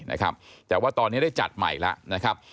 แต่ว่าตอนนี้ได้จัดใหม่ล่ะ